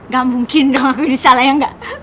gak mungkin dong aku ini salah ya enggak